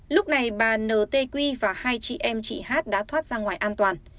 lúc này bà n t q và hai chị em chị h đã thoát ra ngoài an toàn